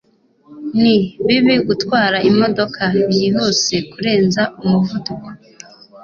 ni bibi gutwara imodoka byihuse kurenza umuvuduko